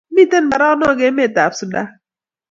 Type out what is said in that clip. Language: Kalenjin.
Miten mbaronok emet ab sudan